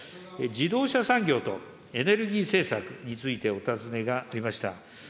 自動車産業とエネルギー政策についてお尋ねがありました。